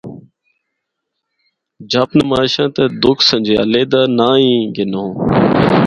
’چہپ نماشاں‘ تے ’دکھ سنجھیالے‘ دا ہی ناں گنو۔